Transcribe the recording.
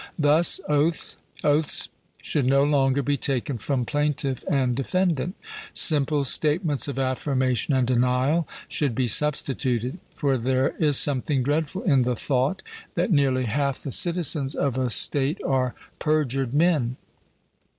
Thus oaths should no longer be taken from plaintiff and defendant; simple statements of affirmation and denial should be substituted. For there is something dreadful in the thought, that nearly half the citizens of a state are perjured men.